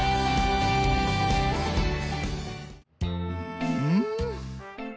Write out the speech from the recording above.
うん？